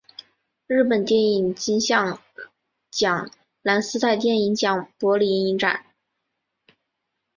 日本电影金像奖蓝丝带电影奖柏林影展